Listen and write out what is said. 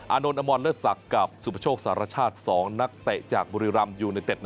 อานนท์อมอนเลอสักกับสุพโชคสารชาติ๒นักเตะจากบุรีรัมย์ยูไนเต็ด